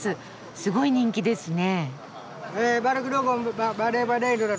すごい人気ですね。